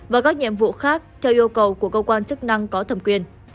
và các nhiệm vụ khác theo yêu cầu của cơ quan chức năng có thẩm quyền